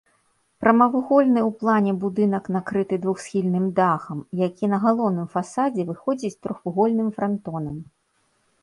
Прамавугольны ў плане будынак накрыты двухсхільным дахам, які на галоўным фасадзе выходзіць трохвугольным франтонам.